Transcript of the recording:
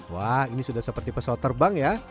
wah ini sudah seperti pesawat terbang ya